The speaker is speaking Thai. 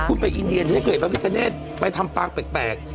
คุณเป็นอินเดียนจะได้เกิดพระพิการ์เนตไปทำปากแปลก